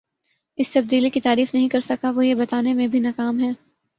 اس تبدیلی کی تعریف نہیں کر سکا وہ یہ بتانے میں بھی ناکام ہے